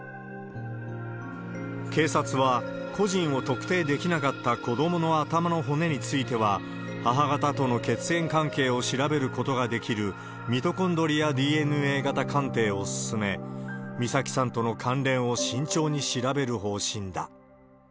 警察は、個人を特定できなかった子どもの頭の骨については、母方との血縁関係を調べることができる、ミトコンドリアＤＮＡ型鑑定を進め、美咲さんとの関連を慎重に調べる方針だ。